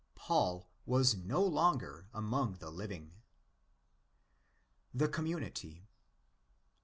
Paul was no longer among the living. The Community.